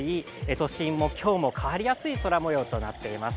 都心も今日も変わりやすい空もようとなっています。